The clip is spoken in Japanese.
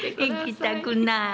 行きたくない。